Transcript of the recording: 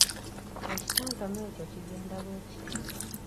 Ekitontome ekyo kigenda bwe kiti